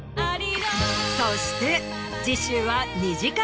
そして。